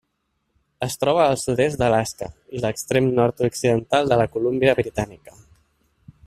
Es troba al sud-est d'Alaska i l'extrem nord-occidental de la Colúmbia Britànica.